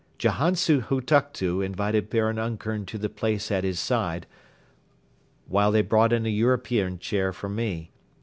Jahantsi Hutuktu invited Baron Ungern to the place at his side, while they brought in a European chair for me.